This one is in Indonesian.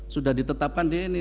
sudah ditetapkan di sini